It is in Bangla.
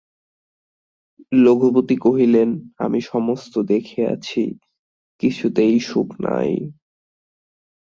রঘুপতি কহিলেন, আমি সমস্ত দেখিয়াছি, কিছুতেই সুখ নাই।